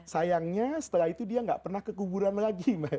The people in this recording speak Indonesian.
sayangnya setelah itu dia gak pernah ke kuburan lagi